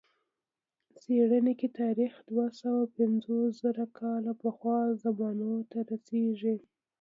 څېړنه کې تاریخ دوه سوه پنځوس زره کاله پخوا زمانو ته رسېږي.